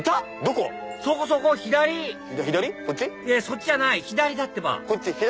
そっちじゃない左だってば左？